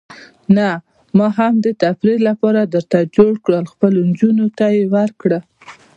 نه، ما هم د تفریح لپاره درته جوړ کړل، خپلو نجونو ته یې ورکړه.